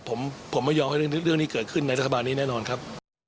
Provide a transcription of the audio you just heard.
ผมไม่ยอมให้เรื่องนี้เกิดขึ้นในรัฐบาลนี้แน่นอนครับ